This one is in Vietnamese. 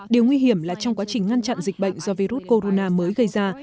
điều nguy hiểm là trong quá trình ngăn chặn dịch bệnh do virus corona mới gây ra